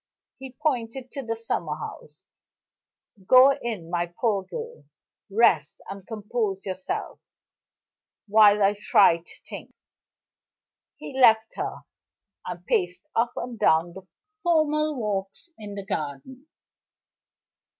He pointed to the summer house. "Go in, my poor girl. Rest, and compose yourself, while I try to think." He left her, and paced up and down the formal walks in the garden.